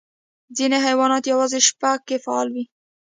ځینې حیوانات یوازې شپه کې فعال وي.